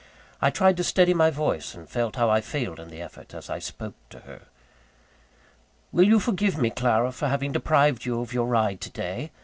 I tried to steady my voice, and felt how I failed in the effort, as I spoke to her: "Will you forgive me, Clara, for having deprived you of your ride to day?